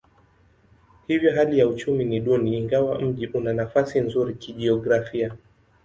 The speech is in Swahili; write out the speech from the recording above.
Hivyo hali ya uchumi ni duni ingawa mji una nafasi nzuri kijiografia.